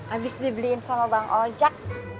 abis dibeliin sama bang ojek